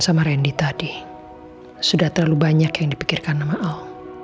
sama randy tadi sudah terlalu banyak yang dipikirkan sama allah